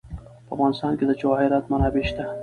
په افغانستان کې د جواهرات منابع شته.